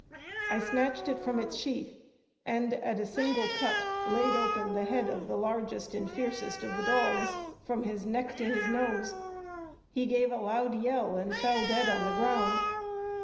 I snatched it from its sheath, and at a single cut laid open the head of the largest and fiercest of the dogs, from his neck to his nose. He gave a loud yell and fell dead on the ground.